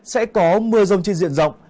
sẽ có mưa rông trên diện rộng